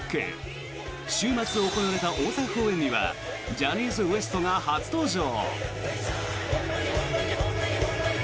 週末行われた大阪公演にはジャニーズＷＥＳＴが初登場！